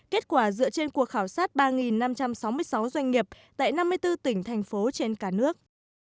kết quả dựa trên cuộc khảo sát ba năm trăm sáu mươi sáu doanh nghiệp tại năm mươi bốn tỉnh thành phố trên cả nước